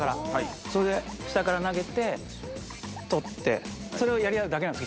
下から投げて取ってそれをやり合うだけなんです